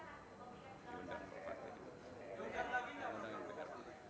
mungkin akan dihubungkan kembali